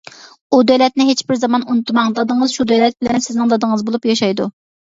ئۇ دۆلەتنى ھېچ بىر زامان ئۇنتۇماڭ، دادىڭىز شۇ دۆلەت بىلەن سىزنىڭ دادىڭىز بولۇپ ياشايدۇ!